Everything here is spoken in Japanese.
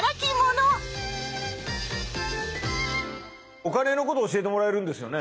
お金のことを教えてもらえるんですよね？